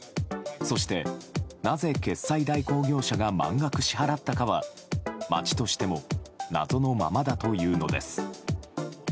そして、なぜ決済代行業者が満額支払ったかは町としても謎のままだというのです。